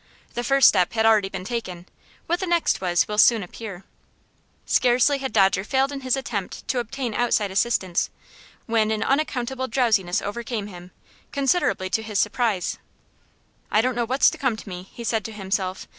The first step had already been taken; what the next was will soon appear. Scarcely had Dodger failed in his attempt to obtain outside assistance when an unaccountable drowsiness overcame him, considerably to his surprise. "I don't know what's come to me," he said to himself.